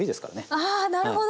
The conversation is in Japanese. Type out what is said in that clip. ああなるほど！